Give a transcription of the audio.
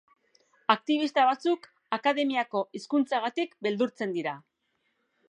Aktibista batzuk akademiako hizkuntzagatik beldurtzen dira.